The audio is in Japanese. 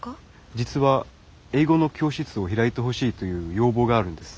実は英語の教室を開いてほしいという要望があるんです。